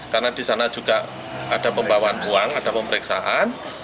karena di sana juga ada pembawaan uang ada pemeriksaan